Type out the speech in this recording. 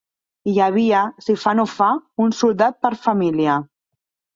Hi havia, si fa no fa, un soldat per família.